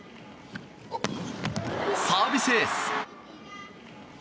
サービスエース！